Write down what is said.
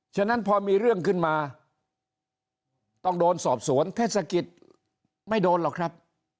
ฉะนั้นพอมีเรื่องขึ้นมาต้องโดนสอบสวนเทศกิจไม่โดนหรอกครับ